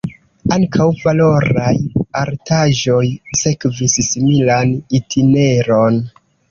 Ankaŭ valoraj artaĵoj sekvis similan itineron.